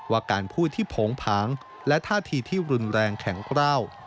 ว่าการพูดที่โผงผางและท่าทีที่รุนแรงแข็งกล้าว